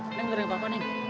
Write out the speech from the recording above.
ini beneran apa nih